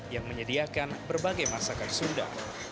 yang menyediakan berbagai masakan sunda